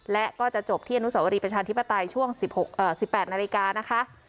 และก็จะจบที่อนุสวรีประชาธิปไตยช่วงสิบหกเอ่อสิบแปดนาฬิกานะคะ